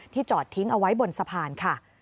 จอดทิ้งเอาไว้บนสะพานค่ะ